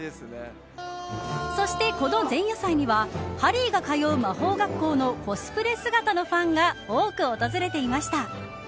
そしてこの前夜祭にはハリーが通う魔法学校のコスプレ姿のファンが多く訪れていました。